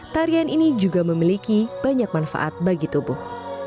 tarian ini juga memiliki banyak manfaat bagi tubuh